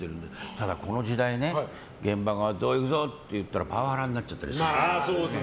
ただ、この時代現場のあと行くぞって言ったらパワハラになっちゃったりする。